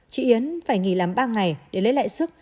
chị yến phải nghỉ làm ba ngày để lấy lại sức